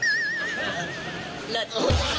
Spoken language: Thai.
เหลือด